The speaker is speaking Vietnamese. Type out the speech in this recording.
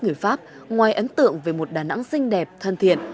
người pháp ngoài ấn tượng về một đà nẵng xinh đẹp thân thiện